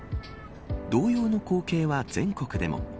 同様の光景は、全国でも。